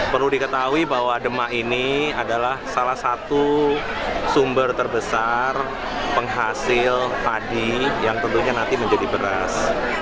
perlu diketahui bahwa demak ini adalah salah satu sumber terbesar penghasil padi yang tentunya nanti menjadi beras